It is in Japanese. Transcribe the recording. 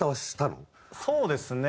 そうですね。